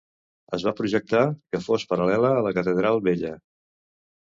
Es va projectar que fos paral·lela a la catedral Vella.